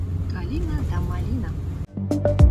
Калина да малина.